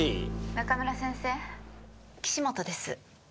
「中村先生」岸本です。